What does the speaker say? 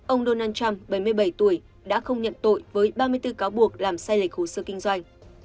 ông donald trump bảy mươi bảy tuổi đã không nhận tội với ba mươi bốn cáo buộc làm sai lệch hồ sơ kinh doanh